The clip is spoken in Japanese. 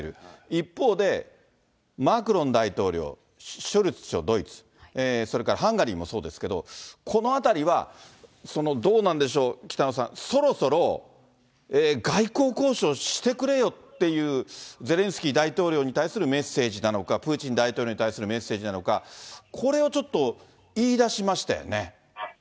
一方で、マクロン大統領、ショルツ首相、ドイツ、それからハンガリーもそうですけれども、このあたりはどうなんでしょう、北野さん、そろそろ外交交渉してくれよっていう、ゼレンスキー大統領に対するメッセージなのか、プーチン大統領に対するメッセージなのか、これをちょっと言いだしましたよね。